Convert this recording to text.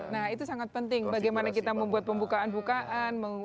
nah itu sangat penting bagaimana kita membuat pembukaan bukaan